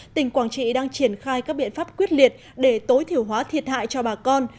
tỉnh quảng trị đang triển khai các biện pháp quyết liệt để tối thiểu hóa thiệt hại cho bà con